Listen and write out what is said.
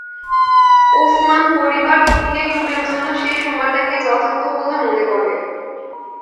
ওসমান পরিবার ত্বকীকে খুনের জন্য সেই সময়টাকেই যথার্থ বলে মনে করে।